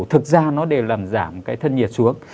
thực ra nó đều làm giảm cái thân nhiệt xuống